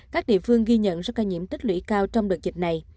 các địa phương ghi nhận số ca nhiễm tích lũy cao trong đợt dịch này